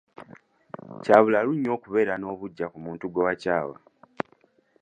Kya bulalu nnyo okubeera n'obuggya ku muntu gwe wakyawa.